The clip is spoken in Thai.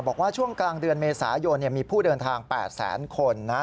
บอกว่าช่วงกลางเดือนเมษายนมีผู้เดินทาง๘แสนคนนะฮะ